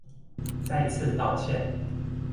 再次道歉